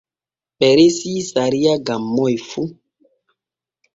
Ɓe resii sariya gam moy fu.